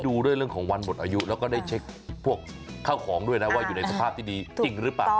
ดูด้วยเรื่องของวันหมดอายุแล้วก็ได้เช็คพวกข้าวของด้วยนะว่าอยู่ในสภาพที่ดีจริงหรือเปล่า